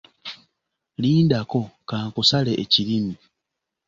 Lindako, ka nkusale ekirimi.